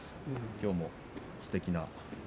きょうもすてきな。